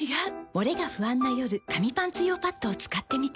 モレが不安な夜紙パンツ用パッドを使ってみた。